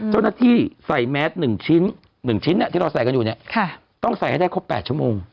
จนที่ใส่แมส๑ชิ้นที่เราใส่กันอยู่ต้องใส่ให้คบ๘ชั่วโมง